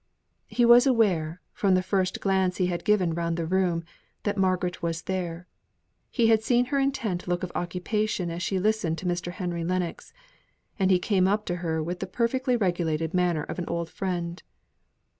He was aware, from the first glance he had given round the room, that Margaret was there; he had seen her intent look of occupation as she listened to Mr. Henry Lennox; and he came up to her with the perfectly regulated manner of an old friend.